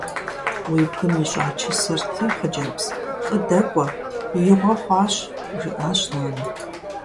«Уи бгым ищӀа чысэр ты, хъыджэбз. ЛӀы дэкӀуэ. Игъуэ хъуащ!», – жиӀащ нанэ.